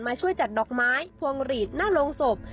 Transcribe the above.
ช่วยจัดดอกไม้พวงหลีดหน้าโรงศพ